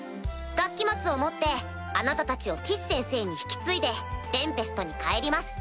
学期末をもってあなたたちをティス先生に引き継いでテンペストに帰ります。